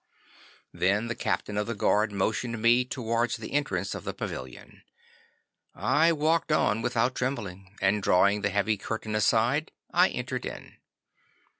'Then the captain of the guard motioned me towards the entrance of the pavilion. I walked on without trembling, and drawing the heavy curtain aside I entered in.